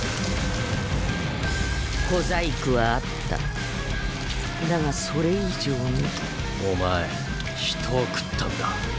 小細工はあっただがそれ以上にお前人を食ったんだ。